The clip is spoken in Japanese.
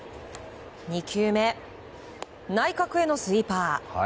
２球目、内角へのスイーパー。